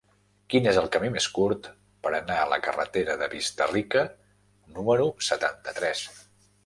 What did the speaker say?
Quin és el camí més curt per anar a la carretera de Vista-rica número setanta-tres?